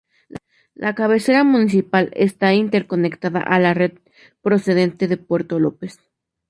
La cabecera municipal está interconectada a la red procedente de Puerto López.